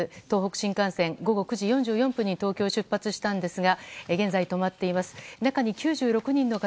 東北新幹線、午後９時４４分に東京を出発したんですが現在、止まっています。